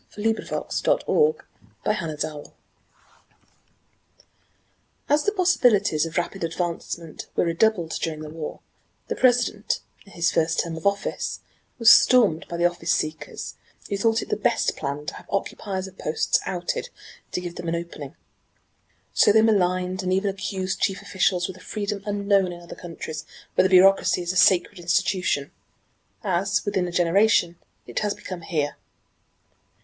M. Depew.) "ACCUSE NOT A SERVANT " As the possibilities of rapid advancement were redoubled during the war, the President, in his first term of office, was stormed by the office seekers, who thought it the best plan to have occupiers of posts ousted to give them an opening; so they maligned and even accused chief officials with a freedom unknown in other countries where the bureaucracy is a sacred institution as within a generation it has become here.